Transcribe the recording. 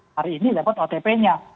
hari ini dapat otp nya